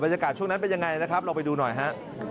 ยากาศช่วงนั้นเป็นยังไงนะครับลองไปดูหน่อยฮะ